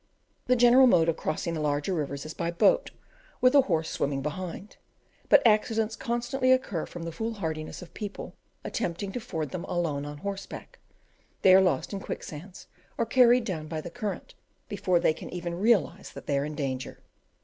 The general mode of crossing the larger rivers is by a boat, with the horse swimming behind; but accidents constantly occur from the foolhardiness of people attempting to ford them alone on horseback: they are lost in quicksands, or carried down by the current, before they can even realize that they are in danger.